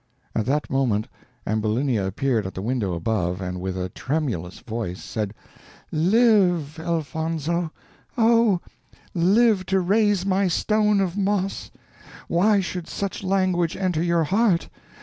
At that moment Ambulinia appeared at the window above, and with a tremulous voice said, "Live, Elfonzo! oh! live to raise my stone of moss! why should such language enter your heart?